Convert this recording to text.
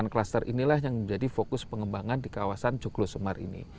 delapan cluster inilah yang menjadi fokus pengembangan di kawasan joglo sumar ini